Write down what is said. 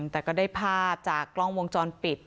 แต่ก็ได้ภาพจากกล้องวงจรปิด